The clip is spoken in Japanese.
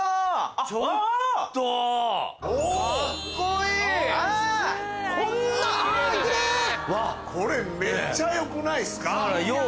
うわこれめっちゃよくないっすか？